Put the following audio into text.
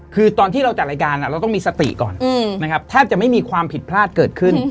คือตอนที่เราจัดรายการเราต้องมีสติก่อนนะครับแทบจะไม่มีความผิดพลาดเกิดขึ้น